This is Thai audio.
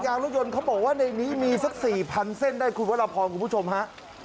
รถยนต์เขาบอกว่าในนี้มีสัก๔๐๐เส้นได้คุณวรพรคุณผู้ชมฮะ